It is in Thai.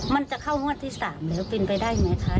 มันจะเข้างวดที่๓แล้วเป็นไปได้ไหมคะ